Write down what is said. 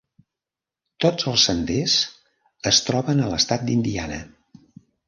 Tots els senders es troben a l'estat d'Indiana.